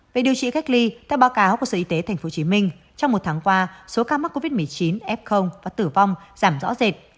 về điều trị cách ly theo báo cáo của sở y tế tp hcm trong một tháng qua số ca mắc covid một mươi chín f và tử vong giảm rõ rệt